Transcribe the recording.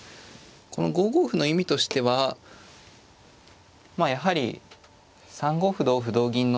この５五歩の意味としてはまあやはり３五歩同歩同銀の際にですね